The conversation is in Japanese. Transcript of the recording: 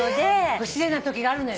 不自然なときがあるのよ。